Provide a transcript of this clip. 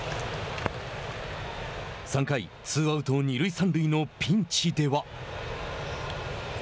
３回、ツーアウト二塁三塁のピンチでは。